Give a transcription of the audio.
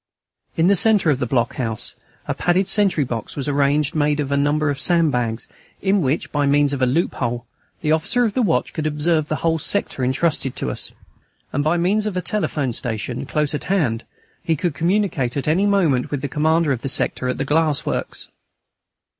In the centre of the block house a padded sentry box was arranged made of a number of sand bags, in which, by means of a loophole, the officer of the watch could observe the whole sector entrusted to us; and by means of a telephone station, close at hand, he could communicate at any moment with the commander of the sector at the glass works.